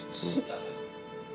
dia sudah sukses